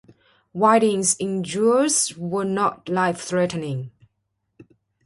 Whiting's injuries were not life-threatening.